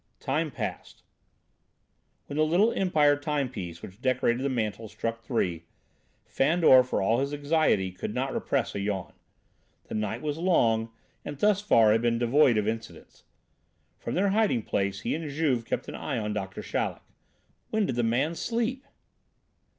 Time passed. When the little Empire time piece which decorated the mantel struck three, Fandor, for all his anxiety, could not repress a yawn: the night was long and thus far had been devoid of incidents. From their hiding place, he and Juve kept an eye on Doctor Chaleck. When did the man sleep?